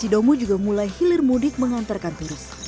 cidomu juga mulai hilir mudik menghantarkan turis